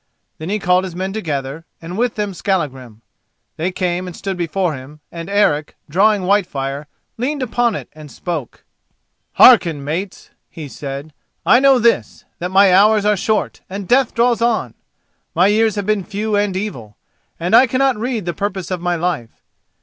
Then he called his men together, and with them Skallagrim. They came and stood before him, and Eric, drawing Whitefire, leaned upon it and spoke: "Hearken, mates," he said: "I know this, that my hours are short and death draws on. My years have been few and evil, and I cannot read the purpose of my life.